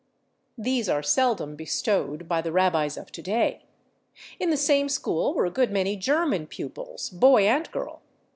These are seldom bestowed by [Pg284] the rabbis of today. In the same school were a good many German pupils, boy and girl.